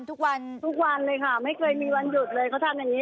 ทุกวันทุกวันเลยค่ะไม่เคยมีวันหยุดเลยเขาทำอย่างนี้